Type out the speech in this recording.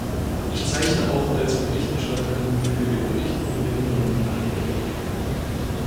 Ich zeichne auch als Berichterstatterin für den Bericht über Behinderungen verantwortlich.